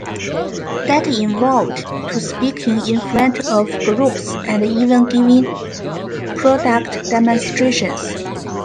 That evolved to speaking in front of groups and even giving product demonstrations.